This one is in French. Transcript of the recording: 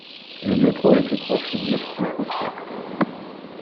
Le métro le plus proche est Nevski prospekt.